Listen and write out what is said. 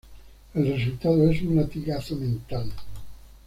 El resultado es un latigazo mental.